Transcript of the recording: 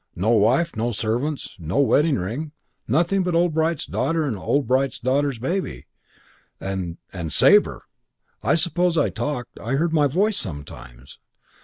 No wife, no servants, no wedding ring; nothing but old Bright's daughter and old Bright's daughter's baby and and Sabre. "I suppose I talked. I heard my voice sometimes.